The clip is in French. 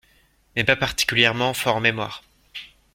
Mais pas particulièrement forts en mémoire.